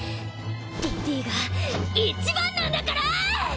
リディが一番なんだから！！